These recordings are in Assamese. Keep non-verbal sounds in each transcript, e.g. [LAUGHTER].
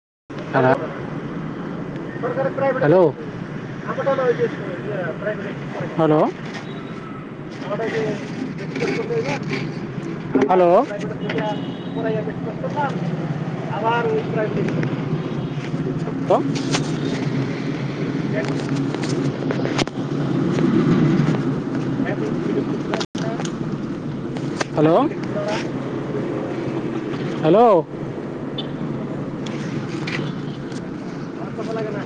[UNINTELLIGIBLE] Hello hello hello hello hello কব লাগে না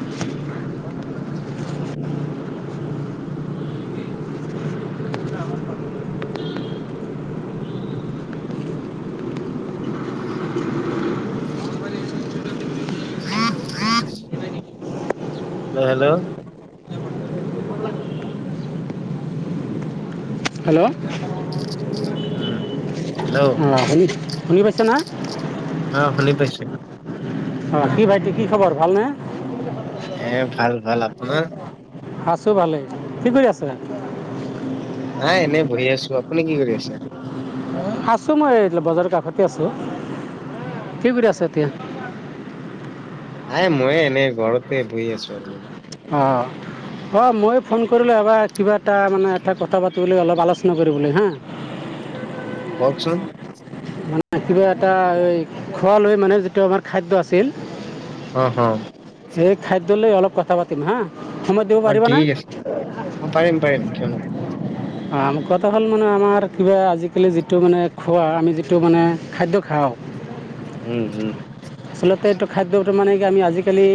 [UNINTELLIGIBLE] হেল্ল হেল্ল' হেল্ল' উম হেল্ল' আহ শুনি শুনি পাইছা না। অ [UNINTELLIGIBLE] অ কি ভাইটি কি খবৰ ভালনে এ ভাল ভাল আ আপোনাৰ আছো ভালেই কি কৰি আছে। নাই এনেই বহি আছো আপুনি কি কৰি আছে। আছোঁ মই এই বজাৰৰ কাষতে আছোঁ কি কৰি আছা এতিয়া। আয়ে ময়ে এনেই ঘৰতে বহি আছো আৰু মানে অঁ অঁ মই ফোন কৰিলোঁ এবাৰ কিবা এটা মানে এটা কথা পাতিবলৈ অলপ আলোচনা কৰিবলৈ হে উম কওকচোন মানে কিবা এটা এই খোৱা লৈ মানে যিটো আমাৰ খাদ্য আছিল। হ হ সেই খাদ্যলৈ অলপ কথা পাতিম হা। সময় দিব অ পাৰিবা নে? ঠিক আছে অ পাৰিম পাৰিম কিয় নহয় আম কটা হ'ল মানে আমাৰ কিবা আজিকালি যিটো মানে খোৱা আমি যিটো যিটো মানে খাদ্য খাওঁ উম উম আচলতে এইটো খাদ্যটো মানে কি আমি আজিকালি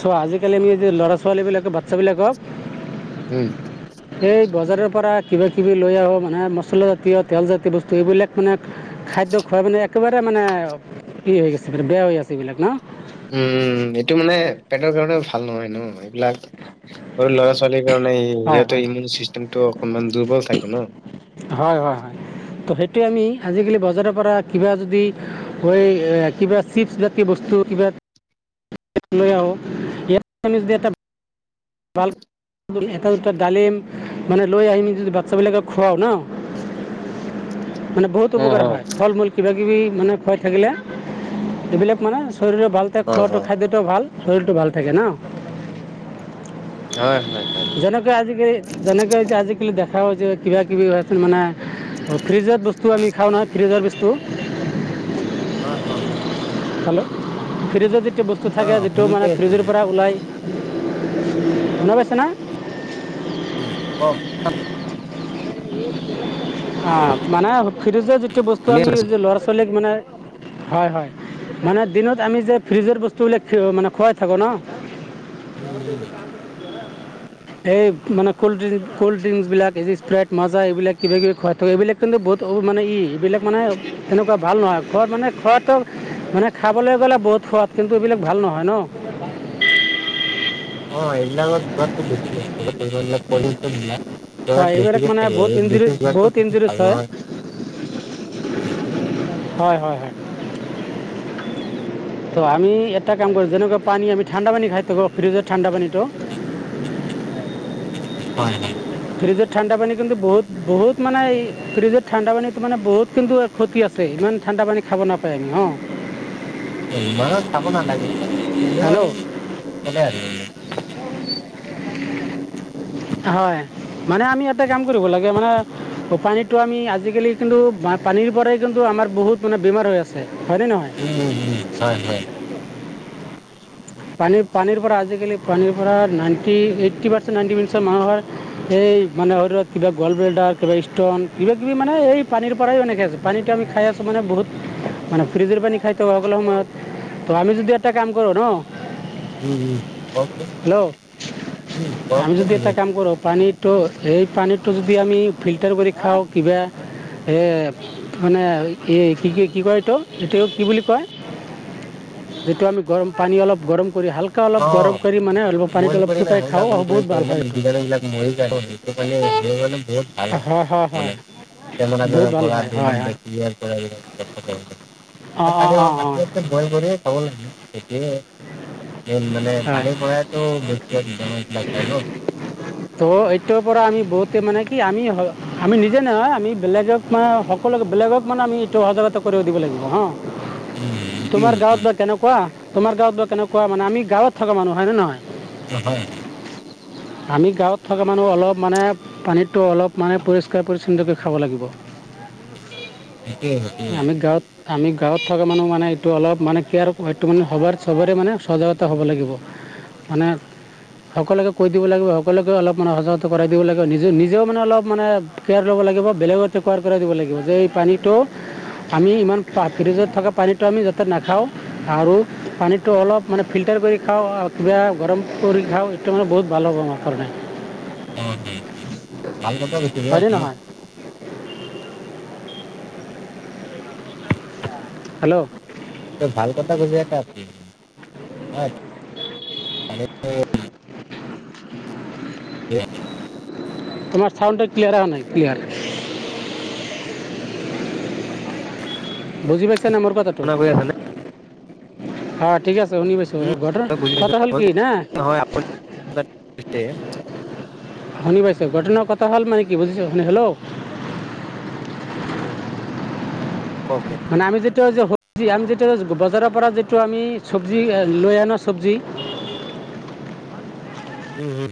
চোৱা আজিকালি আমি ল'ৰা ছোৱালীবিলাক বাচ্ছাবিলাকক উম এই বজাৰৰ পৰা কিবা কিবি লৈ আহো মানে মছলা জাতীয় তেলজাতীয় বস্তু এইবিলাক মানে খাদ্য খোৱা মানে একেবাৰে মানে ই হৈ গৈছে বেয়া হৈ আছে এইবিলাক ন? উম! এইটো মানে পেটৰ কাৰণেও ভাল নহয় ন এইবিলাক সৰু ল'ৰা -ছোৱালী সেইকাৰণে হয় হয় সিহঁতৰ ইমিউন চিষ্টেমটো অকনমান দুৰ্বল থাকে ন। হয়, হয়, হয়, ত' সেইটোৱে আমি আজিকালি বজাৰৰ পৰা কিবা যদি হয় কিবা চিপছ্ জাতি বস্তু কিবা লৈ আহোঁ ইয়াত আমি যদি এটা এটা দুটা ডালিম মানে লৈ আহিম যদি বাচ্ছাবিলাকক খুৱাওঁ ন মানে বহুত অ উপকাৰ অ হয় ফলমূল কিবা- কিবি মানে খুৱাই থাকিলে এইবিলাক মানে শৰীৰো ভাল থাকে, অ অ খোৱাটো খাদ্যটোও ভাল। শৰীৰটো ভাল থাকে ন। হয় হয় হয় জননেক আজিকালি জননেক আজিকালি আ দেখা যে কিবা কিবি হৈছিল মানে ফ্ৰিজত বস্তু আমি খাওঁ নহ ফ্ৰিজৰ বস্তু হয়, হয়। হেল্ল' ফ্ৰিজত বস্তু অ থাকে যিটো শুনি মানে পাই আছো ফ্ৰিজৰ পৰা ওলায় সোনা পাইছে না? কওক অ মানে ফ্ৰিজৰ যি বস্তু শুনি আমি আছো যে ল'ৰা -ছোৱালীক মানে হয়, হয়। মানে দিনত আমি যে ফ্ৰিজৰ বস্তুবিলাক মানে খুৱাই থাকোঁ ন উম ব উম দেটো কাম [UNINTELLIGIBLE] এই মানে ক'ল্ড্ৰক ক'ল্ড ড্ৰিংকচবিলাক এই স্প্ৰেট মজা এইবিলাক কিবাকিবি খোৱাই থাক এইবিলাক কিন্তু বহুত মানে ই এইবিলাক মানে এনেকুৱা ভাল নহয় ঘৰত মানে খোৱাটো মানে খাবলৈ গ'লে বহুত সোৱাদ কিন্তু এইবিলাক ভাল নহয় ন অ এইবিলাকৰ সোৱাদটো বেছি পলিচনবিলাক হয় এইবিলাক মানে বহুত এইবাৰ ইঞ্জুৰিজ বহুত ইঞ্জুৰিজ ভাল হয় নহয় উ [UNINTELLIGIBLE] হয়, হয়, হয়, তো আমি এটা কাম কৰোঁ যেনেকুৱা পানী আমি ঠাণ্ডা পানী খাই থাকো ফ্ৰিজত ঠাণ্ডা পানীটো হয়, হয়। ফ্ৰিজত ঠাণ্ডা পানী কিন্তু বহুত বহুত মানে এই ফ্ৰিজত ঠাণ্ডা পানীত মানে বহুত কিন্তু ক্ষতি আছে ইমান ঠাণ্ডা পানী খাব নাপায় আমি হ। ইমান চাব নালাগে মানে নলোৰ হেল্ল' নলে আে [UNINTELLIGIBLE] [INAUDIBLE] হয় মানে আমি এটা কাম কৰিব লাগে মানে পানীটো আমি আজিকালি কিন্তু পানীৰ পৰাই কিন্তু আমাৰ বহুত মানে বেমাৰ হৈ আছে হয় নে নহয়? উম! উম! হয়- হয়- পানীৰ পানীৰ পৰা আজিকালি পানীৰ পৰা ninety eighty percent ninety percent মানুহৰ এই মানে শৰীৰত কিবা গ'ল বেল্ডাৰ, কিবা ষ্ট'ন, কিবা-কিবি মানে এই পানীৰ পৰাই এনেকৈ আছে পানীটো আমি খাই আছো মানে বহুত মানে ফ্ৰিজৰ পানী খাই থাকো সকলো সময়ত তো আমি যদি এটা কাম কৰোঁ ন? উম উম কওকচোন হেল্ল' উম আমি কওকচোন যদি শুনি এটা কাম কৰোঁ পানী তো সেই পানীটো যদি আমি ফিল্টাৰ কৰি খাওঁ কিবা এই মানে এই কি কি কি কয় এইটো কি বুলি কয় যিটো আমি গৰম পানী অলপ গৰম, কৰি হালকা অলপ গৰম কৰি মানে অলপ পানীটো অলপ ফুটাই খাওঁ অঁ বহুত ভাল হয় এইটো হয় হয় হয় বহুত ভাল হয় হয় হয় অঁ অঁ অঁ অঁ [UNINTELLIGIBLE] মানে হয় পানী পৰাইটো বেছিভাগ বীজাণু বিলাক পাই ন '। ইটোৰ পৰা আমি বহুতে মানে কি আমি -আমি নিজে নহয়, আমি বেলেগক মানে সকলোকে বেলেগক মানে আমি এইটো সজাগতা কৰাই দিব লাগিব হাঁ তোমাৰ সেইটোৱে গাঁৱত বা সেইটোৱে কেনেকুৱা? তোমাৰ গাঁওত বা কেনেকুৱা মানে আমি গাঁৱত থকা মানুহ হয় নে নহয়? হয়। আমি গাঁৱত থকা মানুহ অলপ মানে পানীটো অলপ মানে, পৰিষ্কাৰ -পৰিচ্ছন্নকৈ খাব লাগিব। সেইটোৱে সেইটোৱে আমি গাঁৱত, আমি গাঁৱত থকা মানুহ মানে এইটো অলপ মানে কেয়াৰ সেইটো মানে, সবাৰ চবৰে মানে সজাগতা হ'ব লাগিব, মানে সকলোকে কৈ দিব লাগিব, সকলোকে অলপ মানে সজাগতা কৰাই দিব লাগিব, নিজে নিজেও মানে অলপ মানে কেয়াৰ ল'ব লাগিব। বেলেগতে কোৱাৰ পৰাই দিব লাগিব যে এই পানীটো আমি ইমান ফ্ৰিজত থকা পানীটো আমি যাতে নাখাওঁ আৰু, পানীটো অলপ মানে ফিল্টাৰ কৰি খাওঁ আৰু কিবা গৰম কৰি খাওঁ, এইটো মানে বহুত ভাল হ'ব আমাৰ কাৰণে। অঁ হয় ভাল কথা কৈছে দে হয়নে আপুনি। নহয় হেল্ল'অ, হয় 'ভাল কথা কৈছে এটা আপনি। তোমাৰ চাউণ্ডটো ক্লিয়াৰ আহা নাই ক্লিয়াৰ? বুজি পাইছা, চেনে মোৰ কথাটো। শুনা গৈ আছেনে অ, ঠিক আছে শুনি পাইছোঁ। উম মই বুজি পাইছোঁ হয় আপুনি [UNINTELLIGIBLE] শুনি পাইছো ঘটনাৰ কথা হ'ল মানে কি বুজিছ শুনি হেল্ল'অ ককহে। চব্জি আমি যিটো বজাৰৰ পৰা যিটো আমি চব্জি লৈ আনা চব্জি উম- হুম